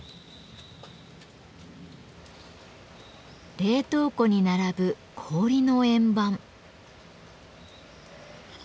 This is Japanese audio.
冷凍庫に並ぶ氷の円盤。